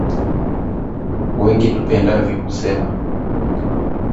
wengi tupendavyo kusema